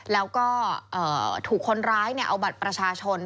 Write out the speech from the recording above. แล้วก็ถูกคนร้ายเอาบัตรประชาชน